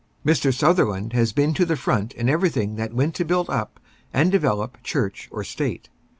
Mr. Sutherland has been to the front in everything that went to build up and develop Church or State.